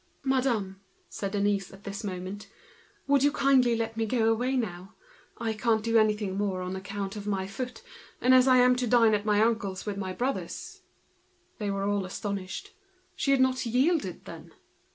"Madame," said Denise, at this moment, "would you kindly let me go away now? I can't do any more good on account of my foot, and as I am to dine at my uncle's with my brothers—" They were all astonished. She had not yielded, then!